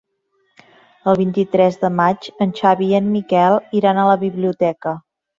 El vint-i-tres de maig en Xavi i en Miquel iran a la biblioteca.